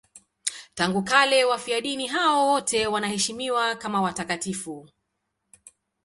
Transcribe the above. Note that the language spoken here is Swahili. Tangu kale wafiadini hao wote wanaheshimiwa kama watakatifu.